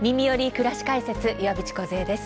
くらし解説」岩渕梢です。